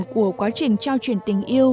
của quá trình trao chuyển tình yêu